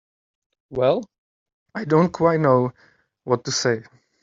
Well—I don't quite know what to say.